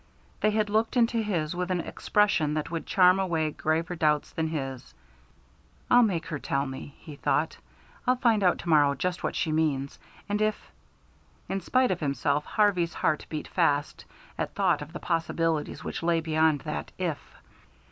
They had looked into his with an expression that would charm away graver doubts than his. "I'll make her tell me," he thought. "I'll find out to morrow just what she means, and if " In spite of himself, Harvey's heart beat fast at thought of the possibilities which lay behind that "if."